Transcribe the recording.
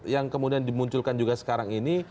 yang kemudian dimunculkan juga sekarang ini